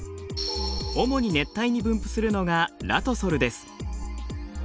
主に熱帯に分布するのがラトソルです。